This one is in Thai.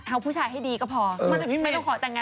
เอาผู้ชายให้ดีก็พอไม่ต้องขอแต่งงานแบบนี้ก็ได้